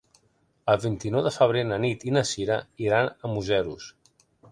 El vint-i-nou de febrer na Nit i na Cira iran a Museros.